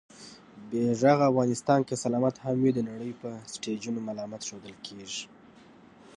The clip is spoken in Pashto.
بې غږه افغانستان که سلامت هم وي، د نړۍ په سټېجونو ملامت ښودل کېږي